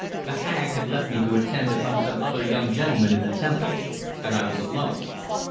The Hag had left me to attend upon her other "young gentlemen" in the Temple, and I was alone.